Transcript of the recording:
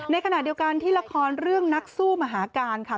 ในขณะเดียวกันที่ละครเรื่องนักสู้มหาการค่ะ